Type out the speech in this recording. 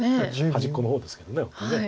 端っこの方ですけどこれ。